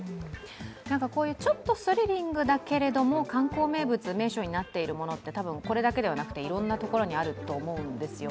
こういうちょっとスリリングだけれども観光名物・名所になっているものはたぶんこれだけではなくていろんなところにあると思うんですよ。